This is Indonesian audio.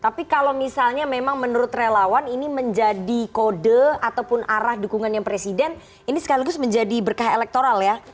tapi kalau misalnya memang menurut relawan ini menjadi kode ataupun arah dukungannya presiden ini sekaligus menjadi berkah elektoral ya